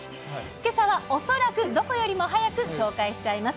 けさは恐らくどこよりも早く紹介しちゃいます。